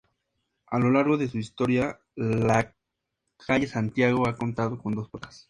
A lo largo de su historia, la calle Santiago ha contado con dos puertas.